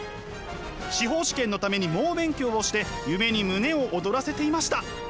司法試験のために猛勉強をして夢に胸を躍らせていました。